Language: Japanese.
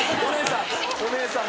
お姉さん！